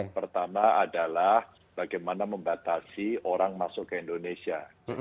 pertama adalah bagaimana membatasi orang masuk ke indonesia